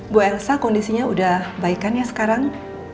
bu elsa kondisinya udah baik kan ya sekarang